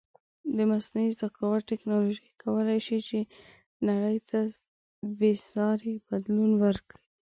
د مصنوعې زکاوت ټکنالوژی کولی شې چې نړی ته بیساری بدلون ورکړې